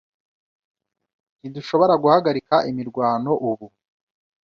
Ntidushobora guhagarika imirwano ubu?